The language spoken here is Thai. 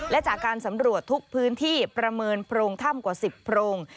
และจากการสำรวจทุกพื้นที่ประเมินโพรงถ้ำกว่า๑๐โพรง